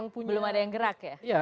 belum ada yang gerak ya